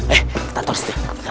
eh kita taruh disitu